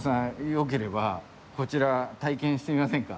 よければこちら体験してみませんか？